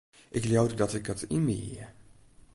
Ik leaude dat ik it yn my hie.